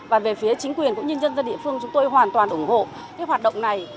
và về phía chính quyền cũng như nhân dân địa phương chúng tôi hoàn toàn ủng hộ cái hoạt động này